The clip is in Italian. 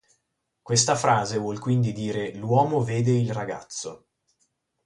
Questa frase vuol quindi dire "l'uomo vede il ragazzo".